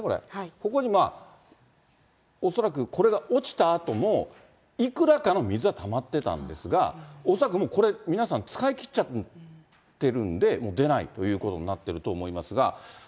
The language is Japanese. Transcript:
ここに恐らくこれが落ちたあとも、いくらかの水はたまってたんですが、恐らくもうこれ皆さん、使いきっちゃってるんで、もう出ないということになってると思いますが。